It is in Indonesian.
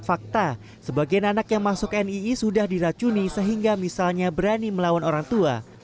fakta sebagian anak yang masuk nii sudah diracuni sehingga misalnya berani melawan orang tua